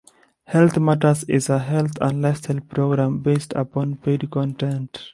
"Health Matters" is a health and lifestyle program based upon paid content.